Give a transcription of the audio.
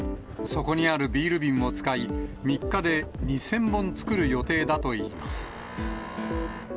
そこにあるビール瓶を使い、３日で２０００本作る予定だといいます。